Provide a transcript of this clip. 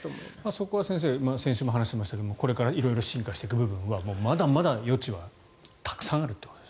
そこは、先生先週も話しましたけれどもこれから色々進化していく部分はまだまだ余地はたくさんあると。